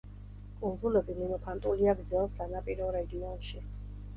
კუნძულები მიმოფანტულია გრძელ სანაპირო რეგიონში.